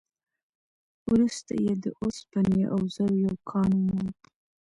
وروسته يې د اوسپنې او زرو يو کان وموند.